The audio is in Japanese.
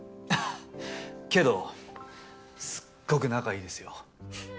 あっけどすっごく仲いいですよ。